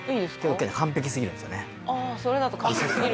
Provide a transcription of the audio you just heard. けど完璧すぎるんですよね。